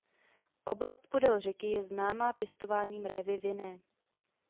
Oblast podél řeky je známá pěstováním révy vinné.